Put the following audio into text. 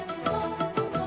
nih aku tidur